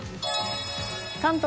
関東